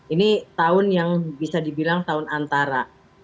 ini tahun yang bisa dibilang tahun antara